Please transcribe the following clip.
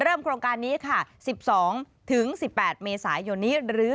เริ่มโครงการนี้ค่ะ๑๒๑๘เมสายนหรือ